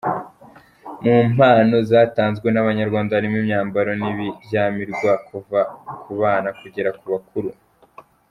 Mu mpano zatanzwe n’Abanyarwanda harimo imyambaro, n’ibiryamirwa kuva kubana kugera kubakuru.